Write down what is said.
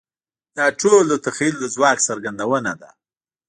دا ټول د تخیل د ځواک څرګندونه ده.